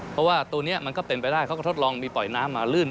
เพราะว่าตัวนี้มันก็เป็นไปได้เขาก็ทดลองมีปล่อยน้ำมาลื่น